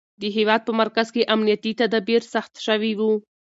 د هېواد په مرکز کې امنیتي تدابیر سخت شوي وو.